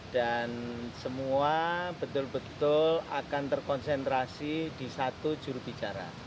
dan semua betul betul akan terkonsentrasi di satu juru bicara